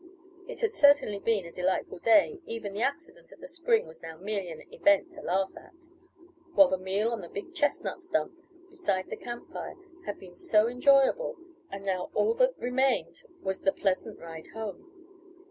It had certainly been a delightful day, even the accident at the spring was now merely an event to laugh at, while the meal on the big chestnut stump, beside the camp fire, had been so enjoyable, and now, all that remained was the pleasant ride home.